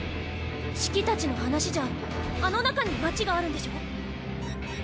シキたちの話じゃあの中に町があるんでしょ？